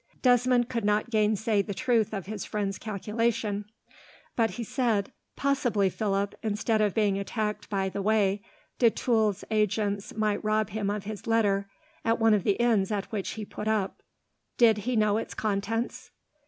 Desmond could not gainsay the truth of his friend's calculation, but he said: "Possibly, Philip, instead of being attacked by the way, de Tulle's agents might rob him of his letter at one of the inns at which he put up. Did he know its contents?"